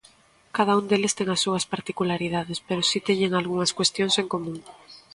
Cada un deles ten a súas particularidades, pero si teñen algunhas cuestións en común.